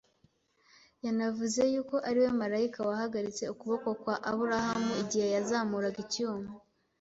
Yanavuze y’uko ari we marayika wahagaritse ukuboko kwa Aburahamu igihe yazamuraga icyuma